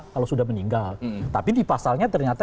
kalau sudah meninggal tapi di pasalnya ternyata